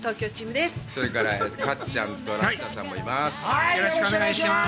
それから、かっちゃんと、ラッシャーさんもいます。